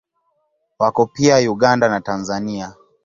Wako pia Uganda na Tanzania.